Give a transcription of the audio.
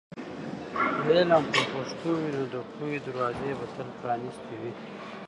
که علم په پښتو وي، نو د پوهې دروازې به تل پرانیستې وي.